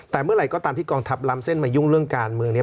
แต่เมื่อไหร่ก็ตามที่กองทัพล้ำเส้นมายุ่งเรื่องการเมืองนี้